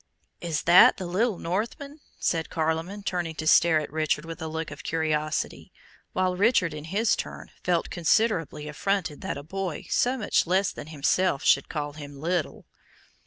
"Is that the little Northman?" said Carloman, turning to stare at Richard with a look of curiosity, while Richard in his turn felt considerably affronted that a boy so much less than himself should call him little.